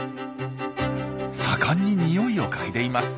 盛んににおいを嗅いでいます。